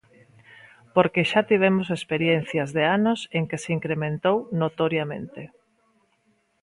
Porque xa tivemos experiencias de anos en que se incrementou notoriamente.